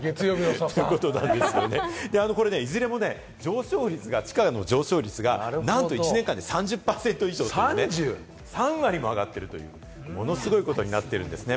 これいずれもね、上昇率がなんと１年間で３０％以上、３割も上がっているという、ものすごいことになっているんですね。